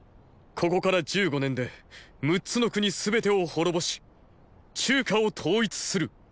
ここから十五年で六つの国全てを滅ぼし中華を統一する。